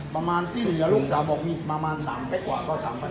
ประมาณที่อย่างลูกจ๋าบอกนี่ประมาณ๓ทุ่มกว่าก็๓พันบาท